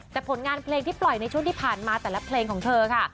แต่ผลงานเพลงที่ปล่อยในช่วงที่ผ่านมาแต่ละเพลงของเธอค่ะ